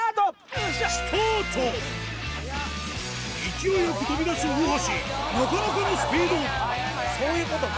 勢いよく飛び出す大橋なかなかのスピードあっそういうことか。